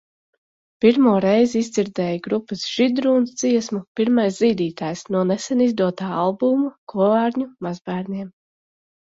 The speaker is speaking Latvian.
Pirmo reizi izdzirdēju grupas "Židrūns" dziesmu "Pirmais zīdītājs" no nesen izdotā albuma "Kovārņu mazbērniem".